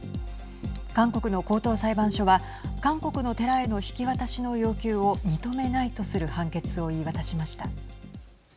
韓国の高等裁判所は韓国の寺への引き渡しの要求を認めないとする判決を言い渡しました。